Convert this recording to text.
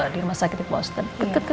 di rumah sakit di boston